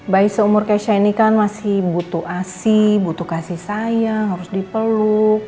bayi seumur keisha ini kan masih butuh asi butuh kasih sayang harus dipeluk